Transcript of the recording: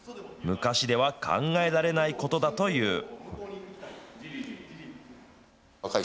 昔では考えられないことだという。